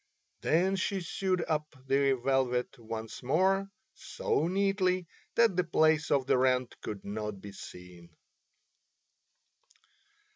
Then she sewed up the velvet once more, so neatly, that the place of the rent could not be seen.